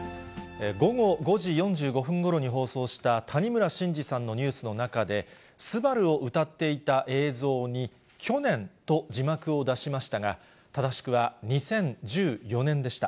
午後５時４５分ごろに放送した谷村新司さんのニュースの中で、昴を歌っていた映像に、去年と字幕を出しましたが、正しくは２０１４年でした。